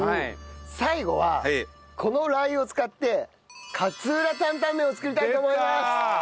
最後はこのラー油を使って勝浦タンタンメンを作りたいと思います！